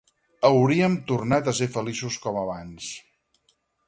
Hauríem tornat a ser feliços com abans.